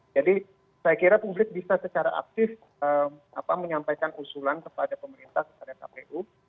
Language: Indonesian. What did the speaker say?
jadi saya kira publik bisa secara aktif menyampaikan usulan kepada pemerintah kepada kpu